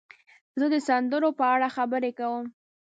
زه د سندرو په اړه خبرې کوم.